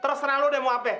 terus nanti lu yang mau apa